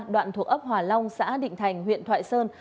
đoạn thuộc ấp hòa long xã định thành huyện thoại sơn